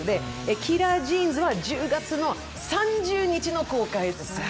「キラー・ジーンズ」は１０月３０日の公開です。